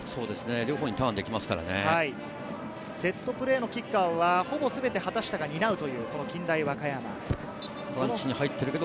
両方にターンできますかセットプレーのキッカーはほぼ全て畑下が担うという近大和歌山。